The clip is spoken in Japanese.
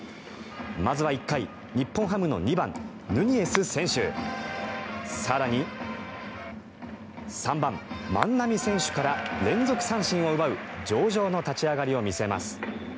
まずは１回日本ハムの２番、ヌニエス選手更に３番、万波選手から連続三振を奪う上々の立ち上がりを見せます。